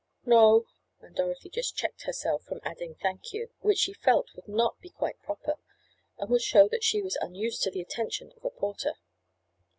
"No," and Dorothy just checked herself from adding "thank you," which she felt would not be quite proper, and would show that she was unused to the attention of a porter.